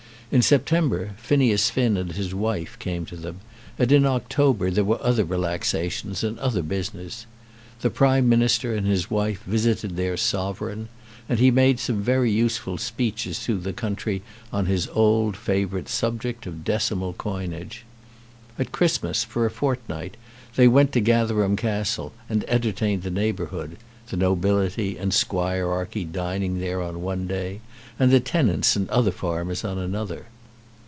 In September, Phineas Finn and his wife came to them, and in October there were other relaxations and other business. The Prime Minister and his wife visited their Sovereign, and he made some very useful speeches through the country on his old favourite subject of decimal coinage. At Christmas, for a fortnight, they went to Gatherum Castle and entertained the neighbourhood, the nobility and squirearchy dining there on one day, and the tenants and other farmers on another.